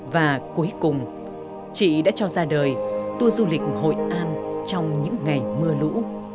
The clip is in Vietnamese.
và cuối cùng chị đã cho ra đời tour du lịch hội an trong những ngày mưa lũ